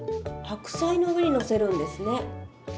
白菜の上にのせるんですね。